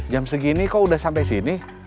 jam segini kok udah sampai sini